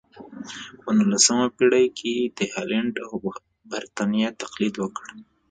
په نولسمه پېړۍ کې یې د هالنډ او برېټانیا تقلید وکړ.